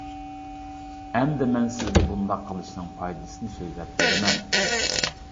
ئەمدى مەن سىزگە بۇنداق قىلىشنىڭ پايدىسىنى سۆزلەپ بىرىمەن.